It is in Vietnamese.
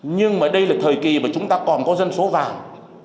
nhưng mà đây là thời kỳ mà chúng ta còn có dân số vàng